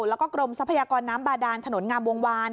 แล้วก็กรมทรัพยากรน้ำบาดานถนนงามวงวาน